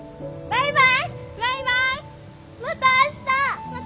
バイバイ！